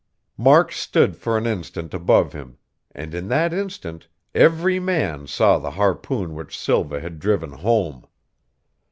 Mark stood for an instant above him; and in that instant, every man saw the harpoon which Silva had driven home.